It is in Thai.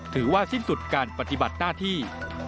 ถือว่าสิ้นสุดการปฏิบัติหน้าที่